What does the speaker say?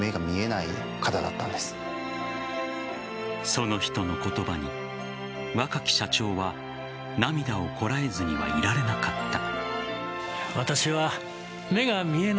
その人の言葉に若き社長は涙をこらえずにはいられなかった。